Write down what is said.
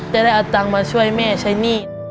จะได้อาจารย์มาช่วยแม่ใช้หนี้